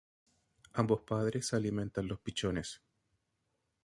Ambos padres alimentan los pichones.